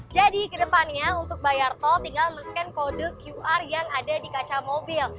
jadi kedepannya untuk bayar tol tinggal men scan kode qr yang ada di kaca mobil